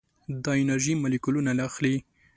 دا انرژي مالیکولونه اخلي.